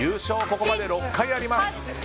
ここまで６回あります。